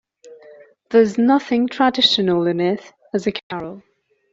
There is nothing traditional in it as a carol.